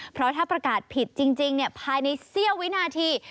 เพราะถ้าประกาศผิดจริงภายในเสี้ยววินาที